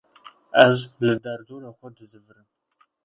Ez li derdora xwe dizîvirim.